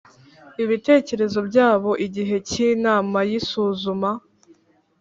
Ibitekerezo byabo igihe cy inama y isuzuma